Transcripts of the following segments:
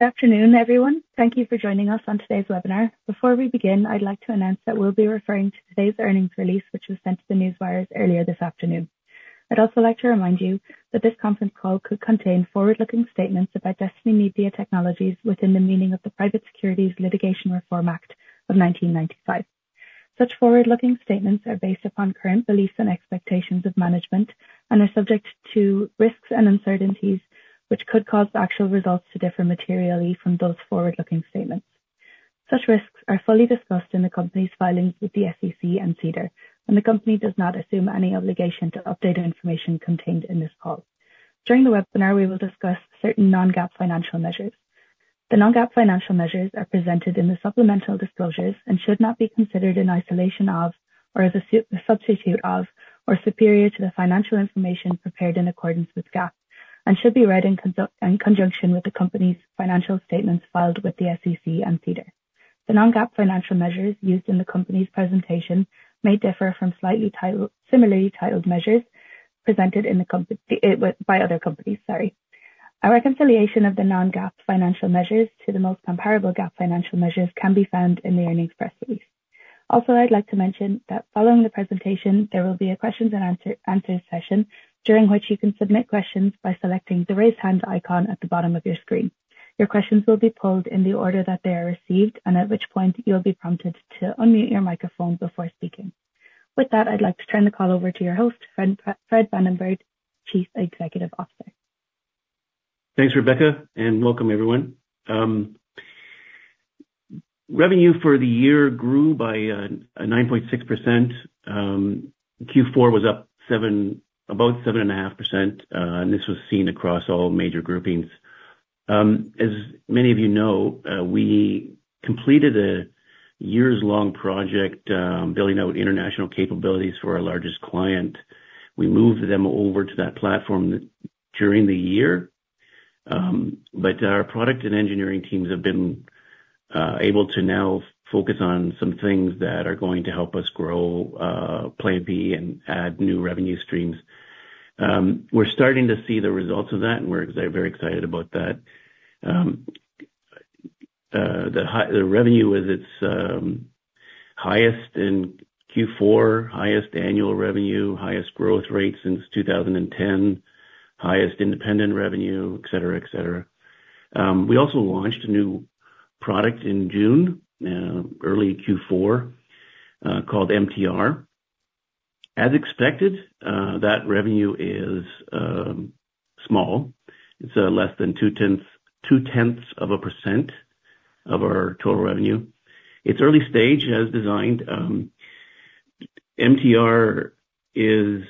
Good afternoon, everyone. Thank you for joining us on today's webinar. Before we begin, I'd like to announce that we'll be referring to today's earnings release, which was sent to the newswires earlier this afternoon. I'd also like to remind you that this conference call could contain forward-looking statements about Destiny Media Technologies within the meaning of the Private Securities Litigation Reform Act of 1995. Such forward-looking statements are based upon current beliefs and expectations of management and are subject to risks and uncertainties, which could cause the actual results to differ materially from those forward-looking statements. Such risks are fully discussed in the company's filings with the SEC and SEDAR, and the company does not assume any obligation to update information contained in this call. During the webinar, we will discuss certain non-GAAP financial measures. The non-GAAP financial measures are presented in the supplemental disclosures and should not be considered in isolation of, or as a substitute of, or superior to the financial information prepared in accordance with GAAP, and should be read in conjunction with the company's financial statements filed with the SEC and SEDAR. The non-GAAP financial measures used in the company's presentation may differ from slightly similarly titled measures presented by other companies. Our reconciliation of the non-GAAP financial measures to the most comparable GAAP financial measures can be found in the earnings press release. Also, I'd like to mention that following the presentation, there will be a questions and answers session during which you can submit questions by selecting the raise hand icon at the bottom of your screen. Your questions will be pulled in the order that they are received and at which point you'll be prompted to unmute your microphone before speaking. With that, I'd like to turn the call over to your host, Fred Vandenberg, Chief Executive Officer. Thanks, Rebecca, and welcome, everyone. Revenue for the year grew by 9.6%. Q4 was up about 7.5%, and this was seen across all major groupings. As many of you know, we completed a years-long project building out international capabilities for our largest client. We moved them over to that platform during the year, but our product and engineering teams have been able to now focus on some things that are going to help us grow Play MPE and add new revenue streams. We're starting to see the results of that, and we're very excited about that. The revenue is its highest in Q4, highest annual revenue, highest growth rate since 2010, highest independent revenue, etc., etc. We also launched a new product in June, early Q4, called MTR. As expected, that revenue is small. It's less than two-tenths of a percent of our total revenue. It's early stage, as designed. MTR is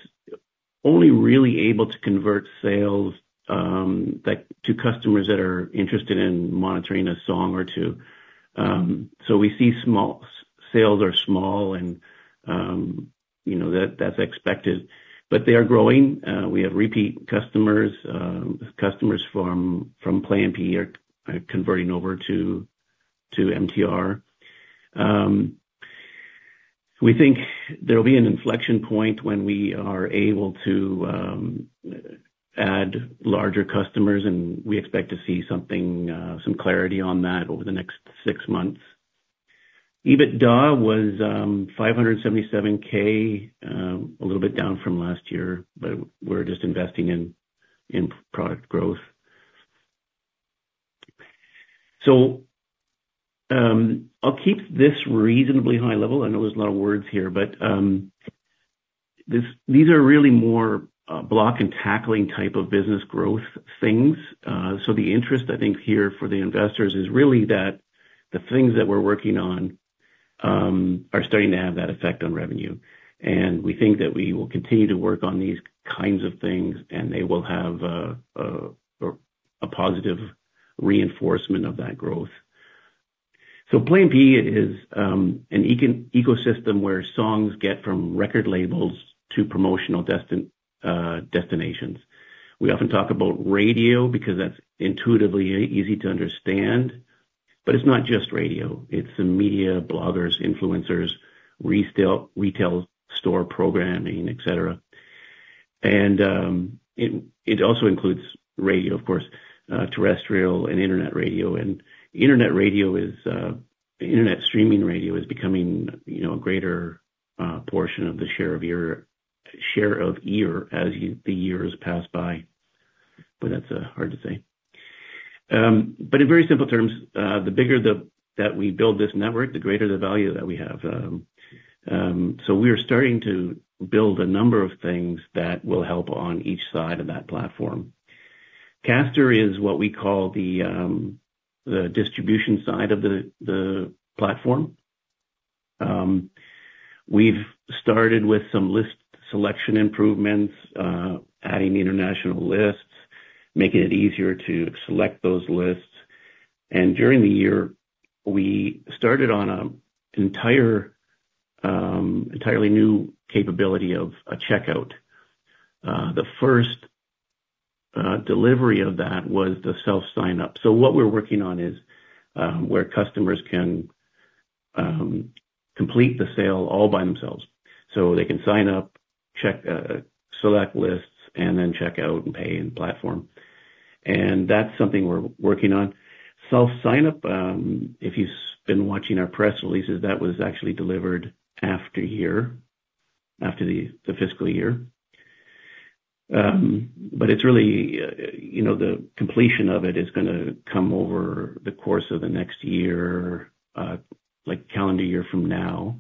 only really able to convert sales to customers that are interested in monitoring a song or two. So we see sales are small, and that's expected, but they are growing. We have repeat customers. Customers from Play MPE are converting over to MTR. We think there'll be an inflection point when we are able to add larger customers, and we expect to see some clarity on that over the next six months. EBITDA was $577K, a little bit down from last year, but we're just investing in product growth. So I'll keep this reasonably high level. I know there's a lot of words here, but these are really more blocking and tackling type of business growth things. So the interest, I think, here for the investors is really that the things that we're working on are starting to have that effect on revenue. We think that we will continue to work on these kinds of things, and they will have a positive reinforcement of that growth. Play MPE is an ecosystem where songs get from record labels to promotional destinations. We often talk about radio because that's intuitively easy to understand, but it's not just radio. It's the media, bloggers, influencers, retail store programming, etc. It also includes radio, of course, terrestrial and internet radio. Internet radio is internet streaming radio is becoming a greater portion of the share of ear as the years pass by. That's hard to say. In very simple terms, the bigger that we build this network, the greater the value that we have. We are starting to build a number of things that will help on each side of that platform. Caster is what we call the distribution side of the platform. We've started with some list selection improvements, adding international lists, making it easier to select those lists, and during the year, we started on an entirely new capability of a checkout. The first delivery of that was the self-sign-up, so what we're working on is where customers can complete the sale all by themselves, so they can sign up, select lists, and then check out and pay in the platform, and that's something we're working on. Self-sign-up, if you've been watching our press releases, that was actually delivered after year, after the fiscal year, but it's really the completion of it is going to come over the course of the next year, like calendar year from now,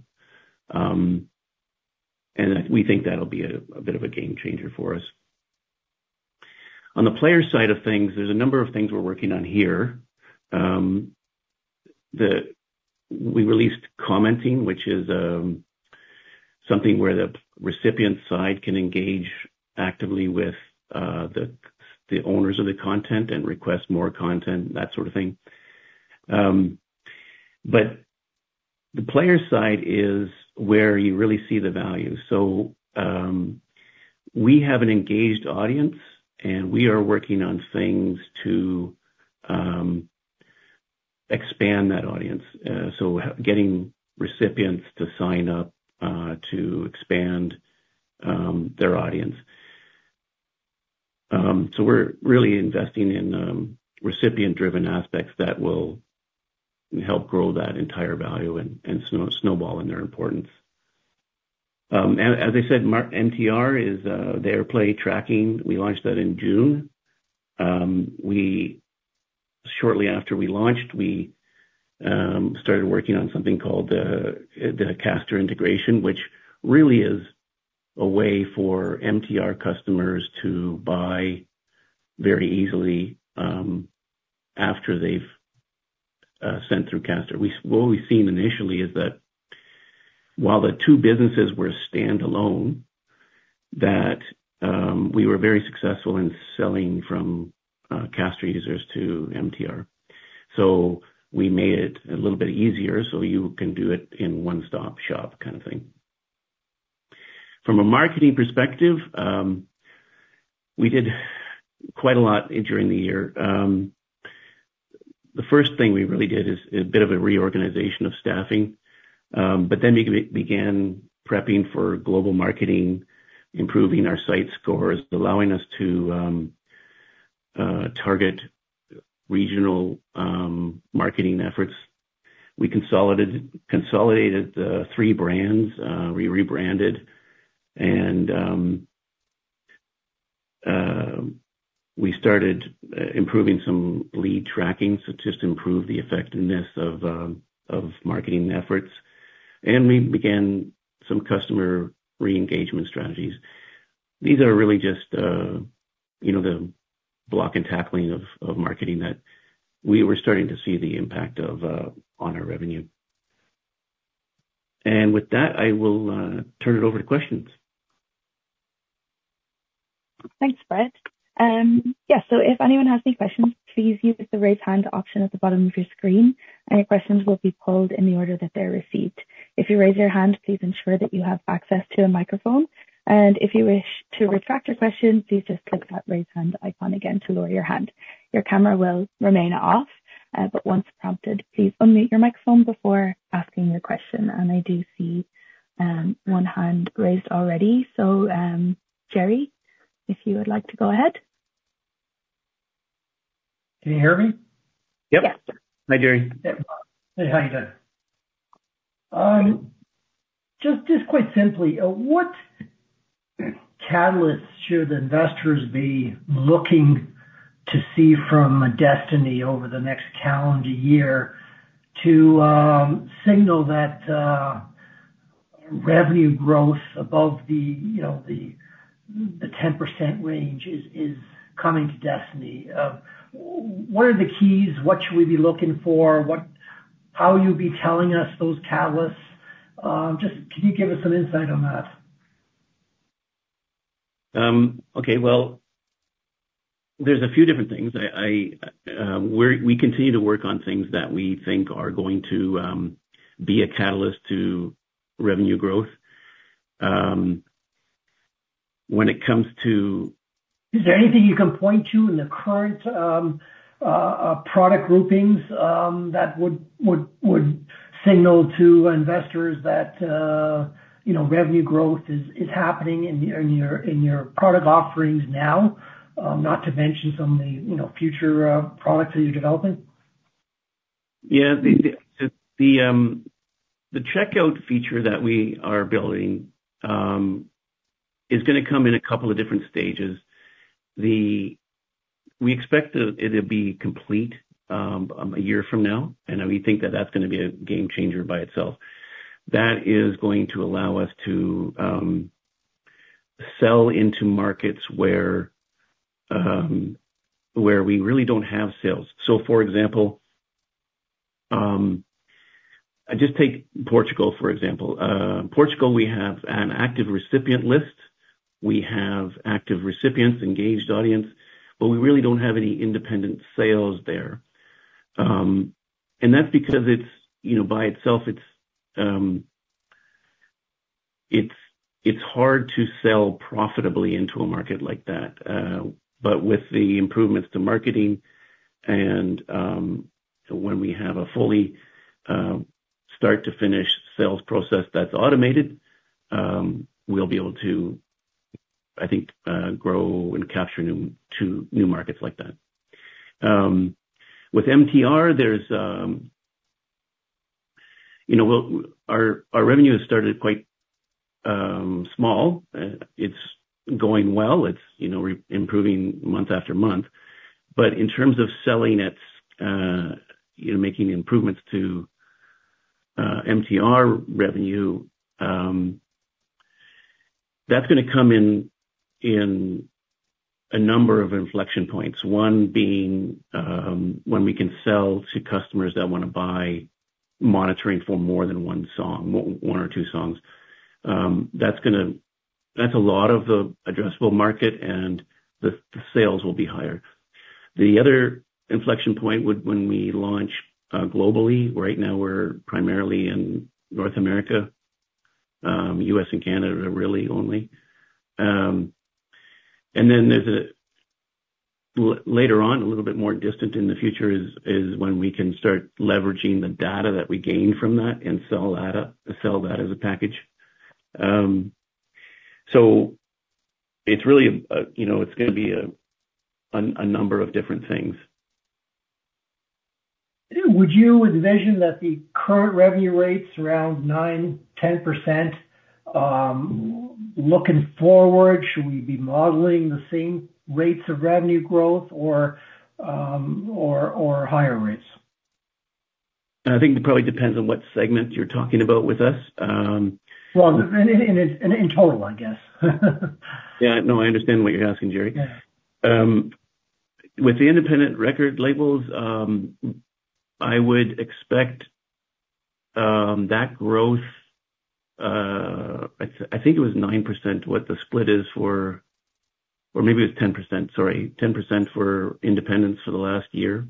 and we think that'll be a bit of a game changer for us. On the player side of things, there's a number of things we're working on here. We released commenting, which is something where the recipient side can engage actively with the owners of the content and request more content, that sort of thing. But the player side is where you really see the value. So we have an engaged audience, and we are working on things to expand that audience. So getting recipients to sign up to expand their audience. So we're really investing in recipient-driven aspects that will help grow that entire value and snowball in their importance. As I said, MTR is airplay tracking. We launched that in June. Shortly after we launched, we started working on something called the Caster integration, which really is a way for MTR customers to buy very easily after they've sent through Caster. What we've seen initially is that while the two businesses were standalone, that we were very successful in selling from Caster users to MTR. So we made it a little bit easier so you can do it in one-stop shop kind of thing. From a marketing perspective, we did quite a lot during the year. The first thing we really did is a bit of a reorganization of staffing, but then we began prepping for global marketing, improving our site scores, allowing us to target regional marketing efforts. We consolidated three brands. We rebranded, and we started improving some lead tracking to just improve the effectiveness of marketing efforts. And we began some customer re-engagement strategies. These are really just the block and tackling of marketing that we were starting to see the impact of on our revenue. And with that, I will turn it over to questions. Thanks, Fred. Yeah, so if anyone has any questions, please use the raise hand option at the bottom of your screen. Any questions will be pulled in the order that they're received. If you raise your hand, please ensure that you have access to a microphone. And if you wish to retract your question, please just click that raise hand icon again to lower your hand. Your camera will remain off, but once prompted, please unmute your microphone before asking your question. And I do see one hand raised already. So Jerry, if you would like to go ahead. Can you hear me? Yep. Hi, Jerry. Hey, how are you doing? Just quite simply, what catalysts should investors be looking to see from Destiny over the next calendar year to signal that revenue growth above the 10% range is coming to Destiny? What are the keys? What should we be looking for? How will you be telling us those catalysts? Just can you give us some insight on that? Okay, well, there's a few different things. We continue to work on things that we think are going to be a catalyst to revenue growth. When it comes to. Is there anything you can point to in the current product groupings that would signal to investors that revenue growth is happening in your product offerings now, not to mention some of the future products that you're developing? Yeah, the checkout feature that we are building is going to come in a couple of different stages. We expect it to be complete a year from now, and we think that that's going to be a game changer by itself. That is going to allow us to sell into markets where we really don't have sales. So, for example, just take Portugal, for example. Portugal, we have an active recipient list. We have active recipients, engaged audience, but we really don't have any independent sales there. And that's because by itself, it's hard to sell profitably into a market like that. But with the improvements to marketing and when we have a fully start-to-finish sales process that's automated, we'll be able to, I think, grow and capture new markets like that. With MTR, our revenue has started quite small. It's going well. It's improving month after month. In terms of selling and making improvements to MTR revenue, that's going to come in a number of inflection points. One being when we can sell to customers that want to buy monitoring for more than one song, one or two songs. That's a lot of the addressable market, and the sales will be higher. The other inflection point would be when we launch globally. Right now, we're primarily in North America, U.S., and Canada, really only. And then later on, a little bit more distant in the future is when we can start leveraging the data that we gain from that and sell that as a package. So it's really going to be a number of different things. Would you envision that the current revenue rates around 9%-10% looking forward, should we be modeling the same rates of revenue growth or higher rates? I think it probably depends on what segment you're talking about with us. In total, I guess. Yeah, no, I understand what you're asking, Jerry. With the independent record labels, I would expect that growth, I think it was 9% what the split is for, or maybe it was 10%, sorry, 10% for independents for the last year.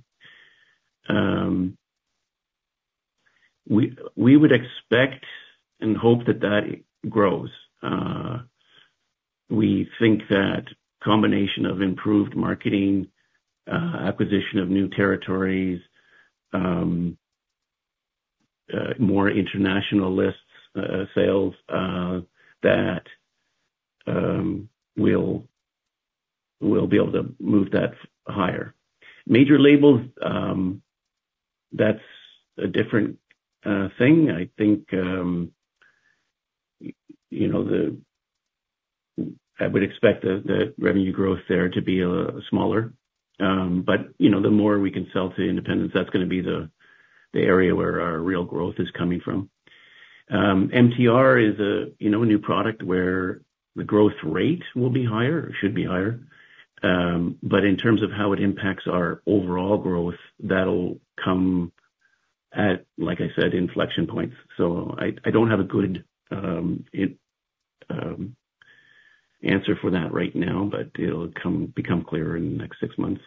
We would expect and hope that that grows. We think that combination of improved marketing, acquisition of new territories, more international lists, sales that we'll be able to move that higher. Major labels, that's a different thing. I think I would expect the revenue growth there to be smaller. But the more we can sell to independents, that's going to be the area where our real growth is coming from. MTR is a new product where the growth rate will be higher or should be higher. But in terms of how it impacts our overall growth, that'll come, like I said, inflection points. So I don't have a good answer for that right now, but it'll become clearer in the next six months.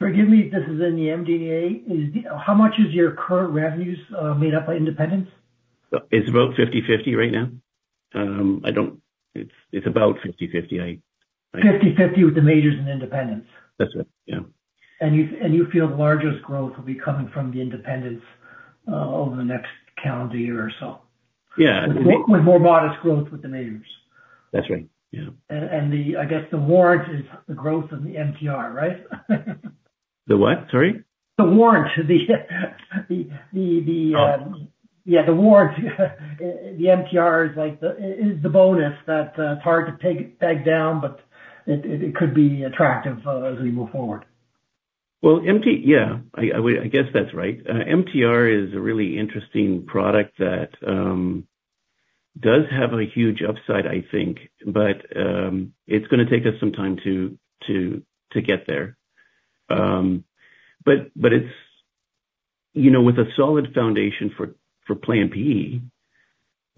Forgive me, this is in the MDA. How much is your current revenues made up by independents? It's about 50/50 right now. It's about 50/50. 50/50 with the majors and independents. That's right. Yeah. You feel the largest growth will be coming from the independents over the next calendar year or so? Yeah. With more modest growth with the majors. That's right. Yeah. I guess the warrant is the growth of the MTR, right? The what? Sorry. The warrant. Yeah, the warrant. The MTR is the bonus that's hard to pin down, but it could be attractive as we move forward. Yeah, I guess that's right. MTR is a really interesting product that does have a huge upside, I think, but it's going to take us some time to get there. But with a solid foundation for Play MPE,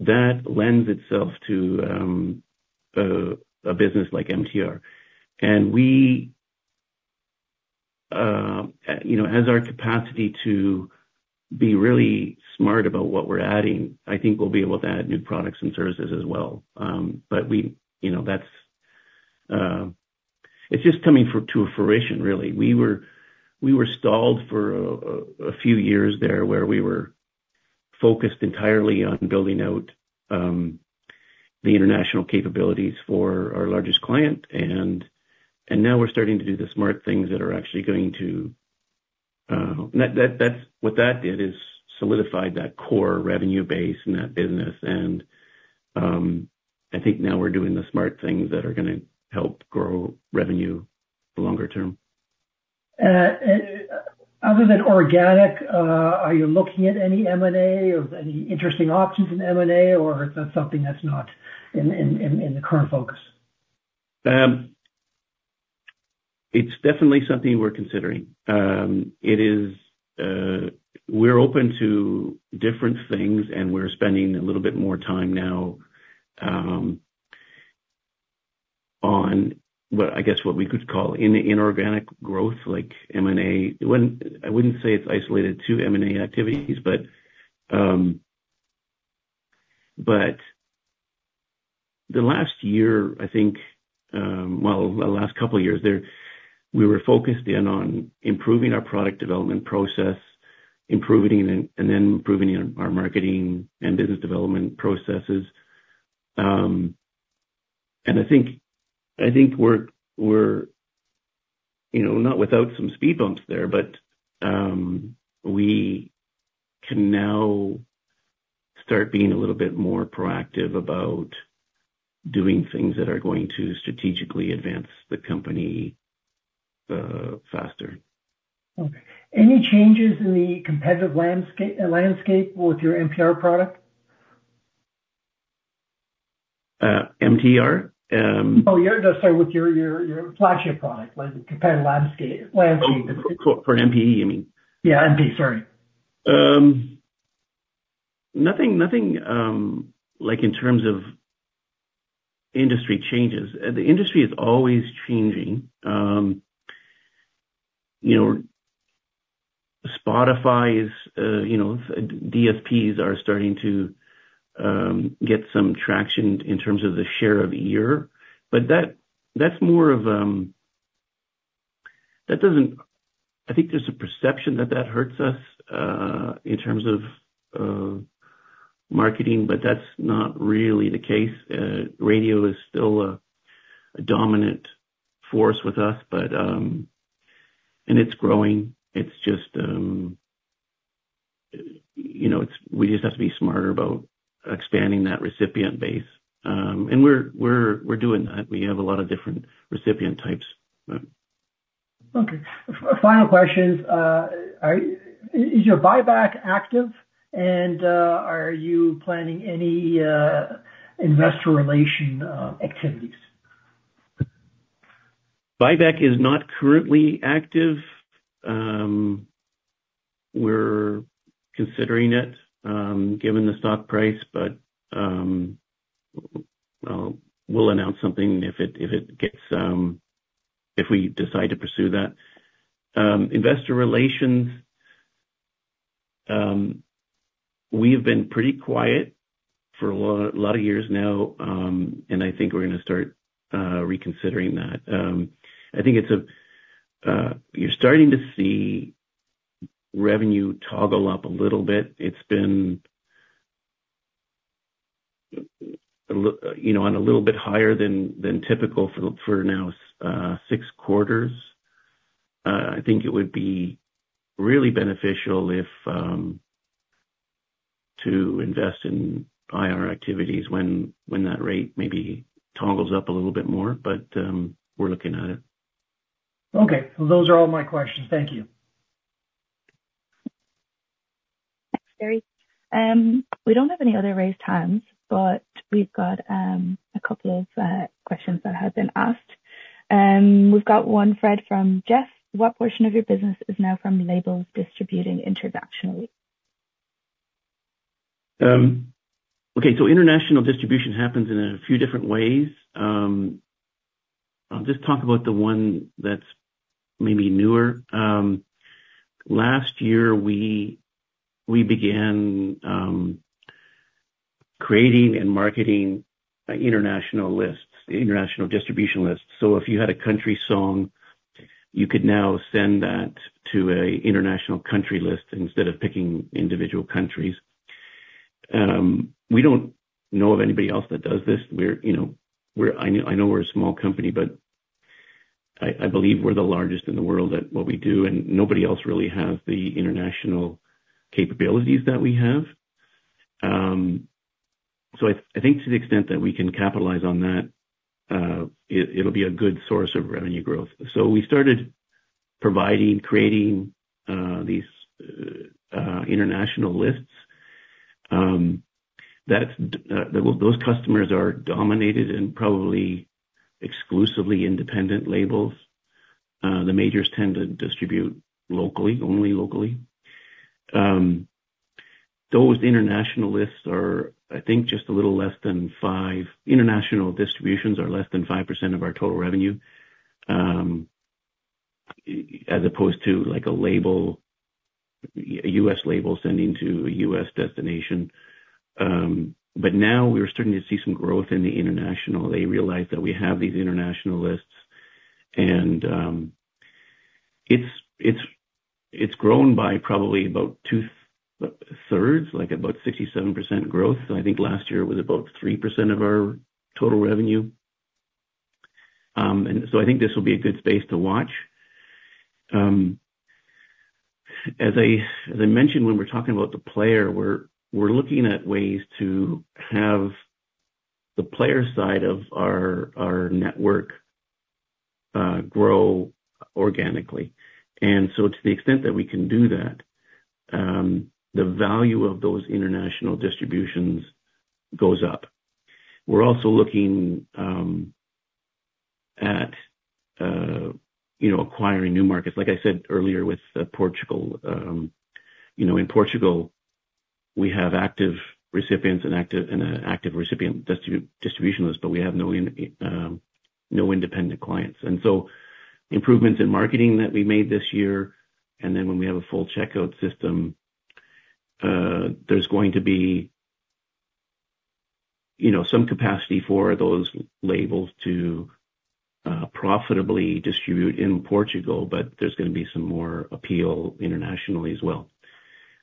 that lends itself to a business like MTR. And as our capacity to be really smart about what we're adding, I think we'll be able to add new products and services as well. But it's just coming to a fruition, really. We were stalled for a few years there where we were focused entirely on building out the international capabilities for our largest client. And now we're starting to do the smart things that are actually going to. What that did is solidify that core revenue base in that business. And I think now we're doing the smart things that are going to help grow revenue longer term. Other than organic, are you looking at any M&A or any interesting options in M&A, or is that something that's not in the current focus? It's definitely something we're considering. We're open to different things, and we're spending a little bit more time now on, I guess, what we could call inorganic growth, like M&A. I wouldn't say it's isolated to M&A activities, but the last year, I think, well, the last couple of years, we were focused in on improving our product development process, and then improving our marketing and business development processes. And I think we're not without some speed bumps there, but we can now start being a little bit more proactive about doing things that are going to strategically advance the company faster. Okay. Any changes in the competitive landscape with your MTR product? MTR? Oh, sorry, with your flagship product, the competitive landscape. For MPE, you mean? Yeah, Play MPE. Sorry. Nothing in terms of industry changes. The industry is always changing. Spotify's DSPs are starting to get some traction in terms of the share of ear. But that's more of, I think there's a perception that that hurts us in terms of marketing, but that's not really the case. Radio is still a dominant force with us, and it's growing. It's just we just have to be smarter about expanding that recipient base. And we're doing that. We have a lot of different recipient types. Okay. Final questions. Is your buyback active, and are you planning any investor relations activities? Buyback is not currently active. We're considering it given the stock price, but we'll announce something if it gets, if we decide to pursue that. Investor relations, we have been pretty quiet for a lot of years now, and I think we're going to start reconsidering that. I think you're starting to see revenue toggle up a little bit. It's been on a little bit higher than typical for now six quarters. I think it would be really beneficial to invest in IR activities when that rate maybe toggles up a little bit more, but we're looking at it. Okay. Well, those are all my questions. Thank you. Thanks, Jerry. We don't have any other raised hands, but we've got a couple of questions that have been asked. We've got one, Fred, from Jeff. What portion of your business is now from labels distributing internationally? Okay. So international distribution happens in a few different ways. I'll just talk about the one that's maybe newer. Last year, we began creating and marketing international lists, international distribution lists. So if you had a country song, you could now send that to an international country list instead of picking individual countries. We don't know of anybody else that does this. I know we're a small company, but I believe we're the largest in the world at what we do, and nobody else really has the international capabilities that we have. So I think to the extent that we can capitalize on that, it'll be a good source of revenue growth. So we started providing, creating these international lists. Those customers are dominated by probably exclusively independent labels. The majors tend to distribute locally, only locally. Those international lists are, I think, just a little less than five international distributions are less than 5% of our total revenue as opposed to a label, a U.S. label sending to a U.S. destination. But now we're starting to see some growth in the international. They realize that we have these international lists, and it's grown by probably about two-thirds, like about 67% growth. I think last year it was about 3% of our total revenue. And so I think this will be a good space to watch. As I mentioned, when we're talking about the player, we're looking at ways to have the player side of our network grow organically. And so to the extent that we can do that, the value of those international distributions goes up. We're also looking at acquiring new markets. Like I said earlier with Portugal, in Portugal, we have active recipients and an active recipient distribution list, but we have no independent clients, and so improvements in marketing that we made this year, and then when we have a full checkout system, there's going to be some capacity for those labels to profitably distribute in Portugal, but there's going to be some more appeal internationally as well,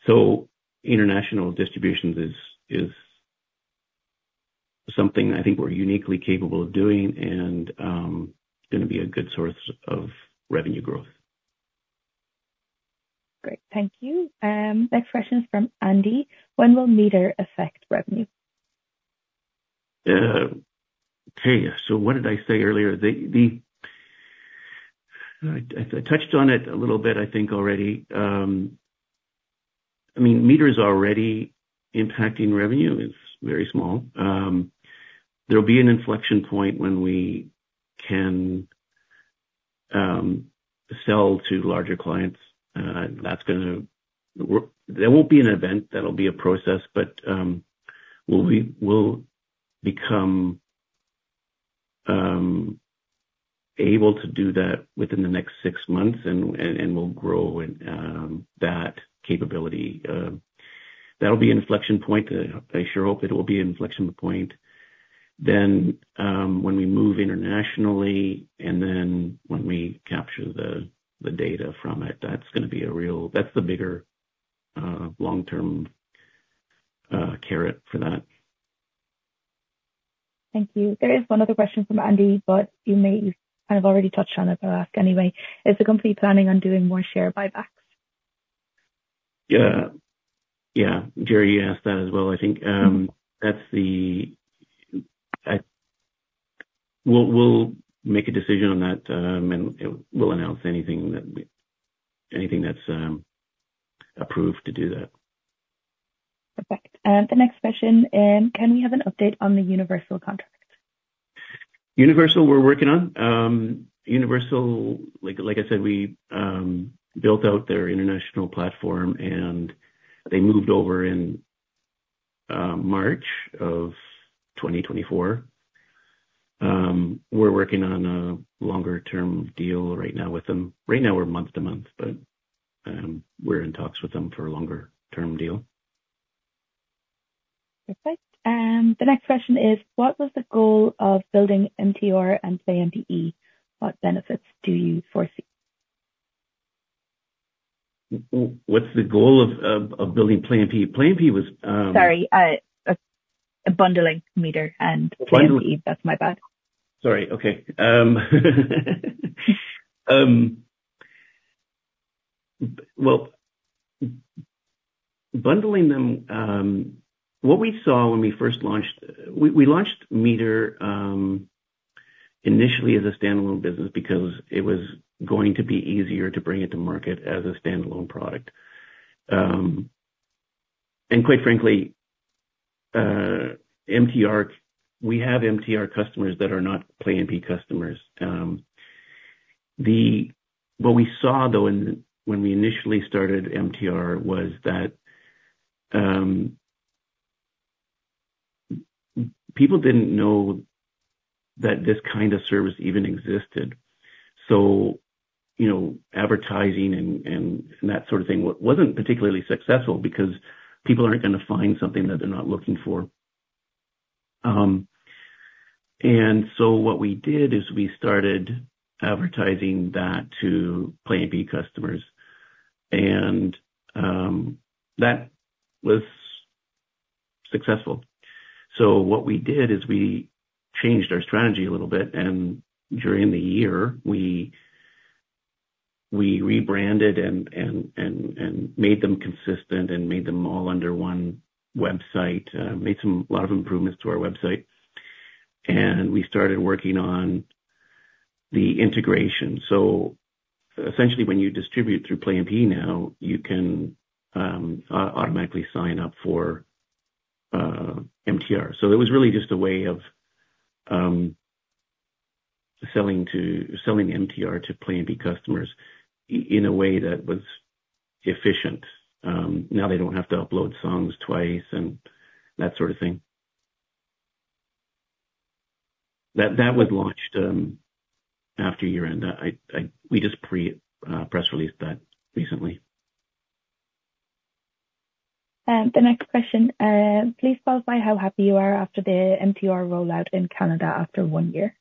so international distribution is something I think we're uniquely capable of doing and going to be a good source of revenue growth. Great. Thank you. Next question is from Andy. When will MTR affect revenue? Okay. So what did I say earlier? I touched on it a little bit, I think, already. I mean, MTR is already impacting revenue. It's very small. There'll be an inflection point when we can sell to larger clients. That's going to. There won't be an event. That'll be a process, but we'll become able to do that within the next six months, and we'll grow that capability. That'll be an inflection point. I sure hope it will be an inflection point. Then when we move internationally and then when we capture the data from it, that's going to be a real. That's the bigger long-term carrot for that. Thank you. There is one other question from Andy, but you may have already touched on it, but I'll ask anyway. Is the company planning on doing more share buybacks? Yeah. Yeah. Jerry, you asked that as well. I think that's the. We'll make a decision on that, and we'll announce anything that's approved to do that. Perfect. The next question is, can we have an update on the Universal contract? Universal, we're working on. Universal, like I said, we built out their international platform, and they moved over in March of 2024. We're working on a longer-term deal right now with them. Right now, we're month to month, but we're in talks with them for a longer-term deal. Perfect. The next question is, what was the goal of building MTR and Play MPE? What benefits do you foresee? What's the goal of building Play MPE? Play MPE was. Sorry. Bundling MTR and Play MPE. That's my bad. Sorry. Okay. Well, bundling them, what we saw when we first launched MTR. We launched MTR initially as a standalone business because it was going to be easier to bring it to market as a standalone product. And quite frankly, we have MTR customers that are not Play MPE customers. What we saw, though, when we initially started MTR was that people didn't know that this kind of service even existed. So advertising and that sort of thing wasn't particularly successful because people aren't going to find something that they're not looking for. And so what we did is we started advertising that to Play MPE customers, and that was successful. What we did is we changed our strategy a little bit, and during the year, we rebranded and made them consistent and made them all under one website, made a lot of improvements to our website, and we started working on the integration. Essentially, when you distribute through Play MPE now, you can automatically sign up for MTR. It was really just a way of selling MTR to Play MPE customers in a way that was efficient. Now they don't have to upload songs twice and that sort of thing. That was launched after year-end. We just press released that recently. The next question. Please tell us how happy you are after the MTR rollout in Canada after one year.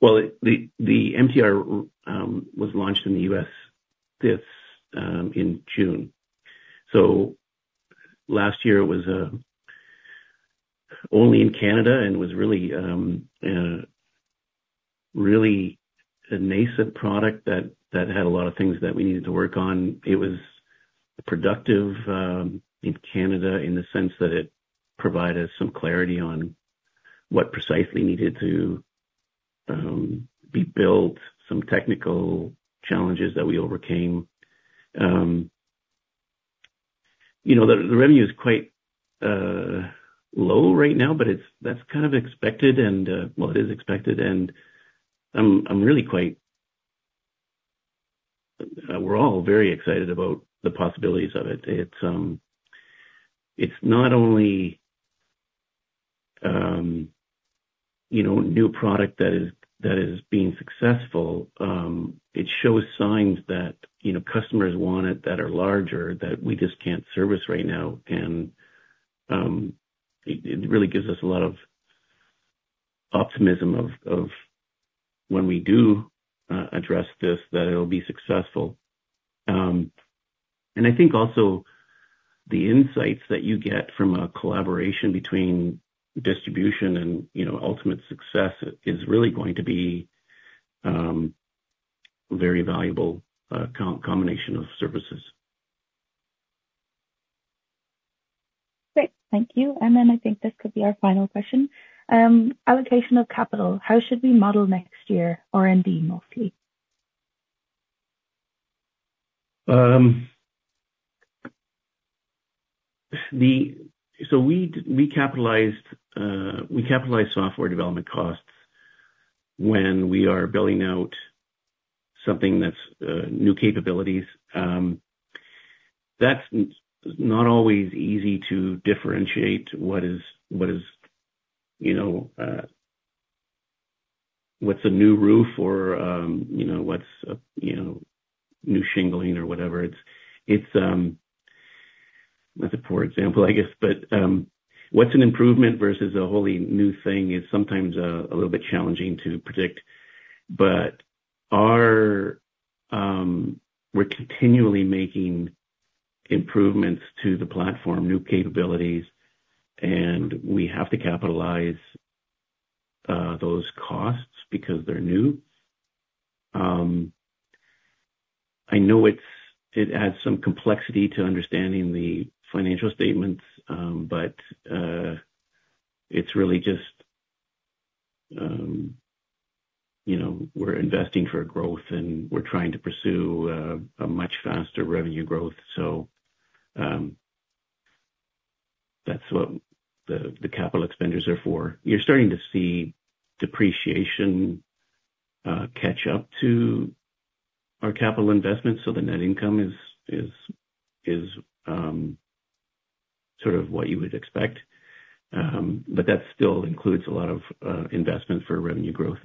The MTR was launched in the U.S. in June. Last year, it was only in Canada and was really a nascent product that had a lot of things that we needed to work on. It was productive in Canada in the sense that it provided some clarity on what precisely needed to be built, some technical challenges that we overcame. The revenue is quite low right now, but that's kind of expected, and well, it is expected. I'm really quite, we're all very excited about the possibilities of it. It's not only a new product that is being successful. It shows signs that customers want it that are larger that we just can't service right now. It really gives us a lot of optimism of when we do address this, that it'll be successful. I think also the insights that you get from a collaboration between distribution and ultimate success is really going to be a very valuable combination of services. Great. Thank you. And then I think this could be our final question. Allocation of capital. How should we model next year? R&D mostly. So we capitalized software development costs when we are building out something that's new capabilities. That's not always easy to differentiate what's a new roof or what's a new shingling or whatever. That's a poor example, I guess, but what's an improvement versus a wholly new thing is sometimes a little bit challenging to predict. But we're continually making improvements to the platform, new capabilities, and we have to capitalize those costs because they're new. I know it adds some complexity to understanding the financial statements, but it's really just we're investing for growth, and we're trying to pursue a much faster revenue growth. So that's what the capital expenditures are for. You're starting to see depreciation catch up to our capital investment, so the net income is sort of what you would expect, but that still includes a lot of investment for revenue growth.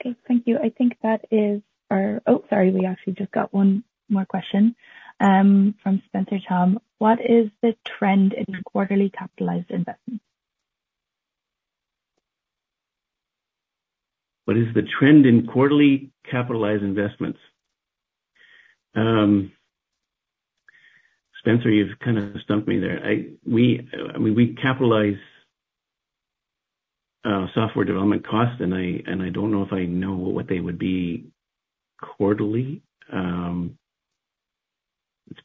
Okay. Thank you. I think that is our. Oh, sorry, we actually just got one more question from Spencer Thom. What is the trend in quarterly capitalized investments? What is the trend in quarterly capitalized investments? Spencer, you've kind of stumped me there. I mean, we capitalize software development costs, and I don't know if I know what they would be quarterly. It's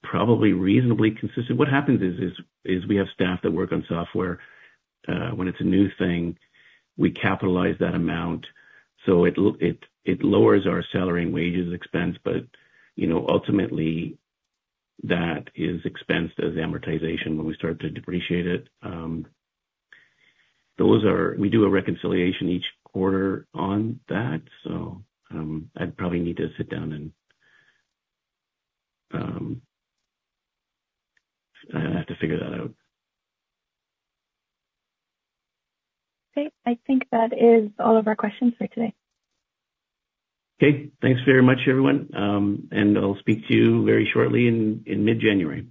probably reasonably consistent. What happens is we have staff that work on software when it's a new thing. We capitalize that amount, so it lowers our salary and wages expense, but ultimately, that is expensed as amortization when we start to depreciate it. We do a reconciliation each quarter on that, so I'd probably need to sit down and figure that out. Okay. I think that is all of our questions for today. Okay. Thanks very much, everyone. And I'll speak to you very shortly in mid-January.